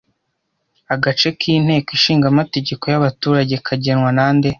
Agace k'inteko ishinga amategeko y'abaturage kagenwa na nde